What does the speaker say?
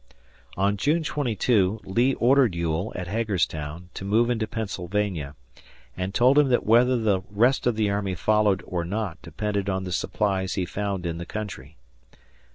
On June 22, Lee ordered Ewell, at Hagerstown, to move into Pennsylvania, and told him that whether the rest of the army followed or not depended on the supplies he found in the country.